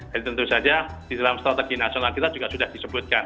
jadi tentu saja di dalam strategi nasional kita juga sudah disebutkan